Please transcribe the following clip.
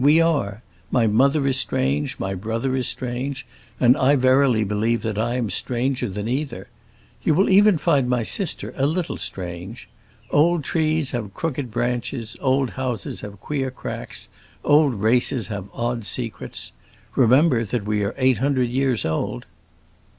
We are! My mother is strange, my brother is strange, and I verily believe that I am stranger than either. You will even find my sister a little strange. Old trees have crooked branches, old houses have queer cracks, old races have odd secrets. Remember that we are eight hundred years old!"